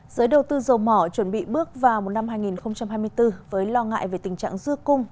giới đầu tư dầu mỏ chuẩn bị bước vào một năm hai nghìn hai mươi bốn với lo ngại về tình trạng dư cung